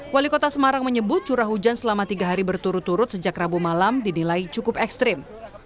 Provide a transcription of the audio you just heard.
wali kota semarang menyebut curah hujan selama tiga hari berturut turut sejak rabu malam dinilai cukup ekstrim